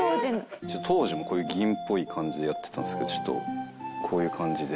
当時もこういう銀っぽい感じでやってたんですけどちょっとこういう感じで。